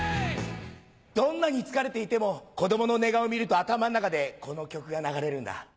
どんなに疲れていても子供の寝顔を見ると頭の中でこの曲が流れるんだ。